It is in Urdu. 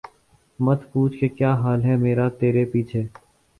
مت پوچھ کہ کیا حال ہے میرا ترے پیچھے